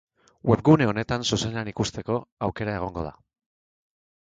Webgune honetan zuzenean ikusteko aukera egongo da.